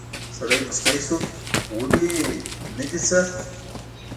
سړی موسکی شو: ولې، نه دي څه؟